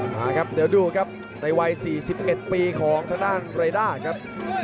มาครับเดี๋ยวดูครับในวัย๔๑ปีของทางด้านเรด้าครับ